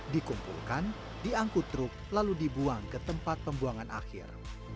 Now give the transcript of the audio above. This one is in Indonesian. dikumpulkan diangkut truk lalu dibuang ke tempat pembuangan akhir